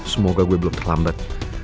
semoga gue belum terlambet